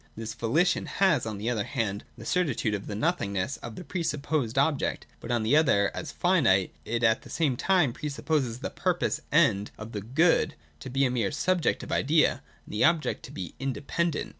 — This VoHtion has, on the one hand, the certitude of the nothingness of the pre supposed object ; but, on the other, as finite, it at the same time pre supposes the purposed End of the Good to be a mere subjective idea, and the object to be independent.